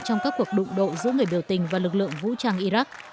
trong các cuộc đụng độ giữa người biểu tình và lực lượng vũ trang iraq